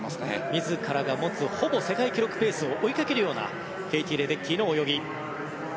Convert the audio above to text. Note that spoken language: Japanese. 自らが持つほぼ世界記録ペースを追いかけるようなケイティ・レデッキーの泳ぎ。